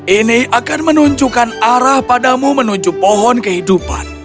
ini akan menunjukkan arah padamu menuju pohon kehidupan